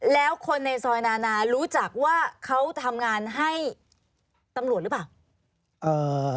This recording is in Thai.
แล้วคนในซอยนานารู้จักว่าเขาทำงานให้ตำรวจหรือเปล่า